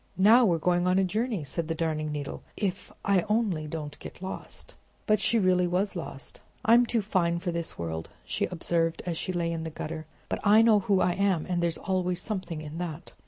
"Now we're going on a journey," said the Darning Needle. "If I only don't get lost!" But she really was lost. "I'm too fine for this world," she observed, as she lay in the gutter. "But I know who I am, and there's always something in that!"